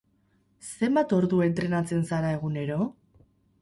Zenbat ordu entrenatzen zara egunero?